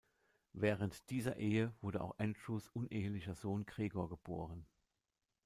Während dieser Ehe wurde auch Andrews unehelicher Sohn Gregor geboren.